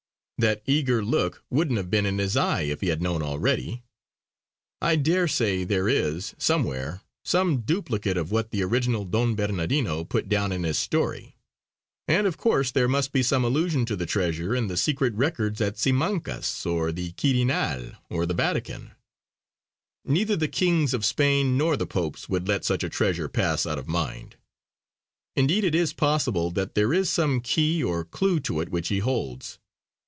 That eager look wouldn't have been in his eye if he had known already. I daresay there is, somewhere, some duplicate of what the original Don Bernardino put down in his story. And of course there must be some allusion to the treasure in the secret records at Simancas or the Quirinal or the Vatican. Neither the kings of Spain nor the Popes would let such a treasure pass out of mind. Indeed it is possible that there is some key or clue to it which he holds.